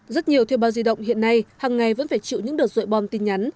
rất nhiều thiêu báo di động hiện nay hằng ngày vẫn phải chịu những đợt rội bom tin nhắn